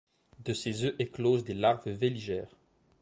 De ces œufs éclosent des larves véligères.